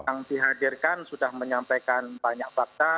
yang dihadirkan sudah menyampaikan banyak fakta